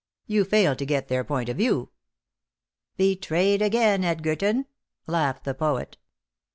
"You fail to get their point of view." "Betrayed again, Edgerton," laughed the poet.